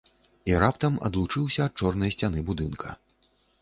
І раптам адлучыўся ад чорнай сцяны будынка.